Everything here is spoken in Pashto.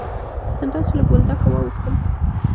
همدا چې له بولدکه واوښتم.